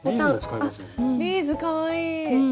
ビーズかわいい！